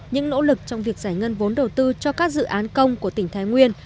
những nỗ lực trong việc giải ngân vốn đầu tư cho các dự án công của tỉnh thái nguyên